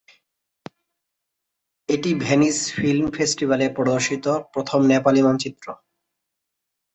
এটি Venice film ফেস্টিভ্যালে প্রদর্শিত প্রথম নেপালি চলচ্চিত্র।